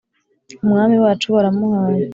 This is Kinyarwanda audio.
umwami wacu baramuhaye